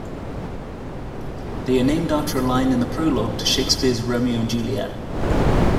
They are named after a line in the prologue to Shakespeare's "Romeo and Juliet".